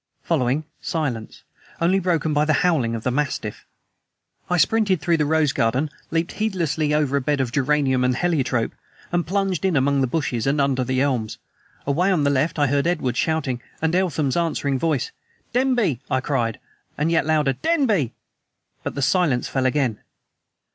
Following silence, only broken by the howling of the mastiff. I sprinted through the rose garden, leaped heedlessly over a bed of geranium and heliotrope, and plunged in among the bushes and under the elms. Away on the left I heard Edwards shouting, and Eltham's answering voice. "Denby!" I cried, and yet louder: "Denby!" But the silence fell again.